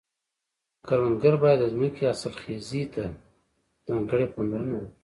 کروندګر باید د ځمکې حاصلخیزي ته ځانګړې پاملرنه وکړي.